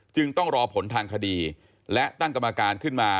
จึงต้องรอผลทางคดีและตั้งกรรมการขึ้นมา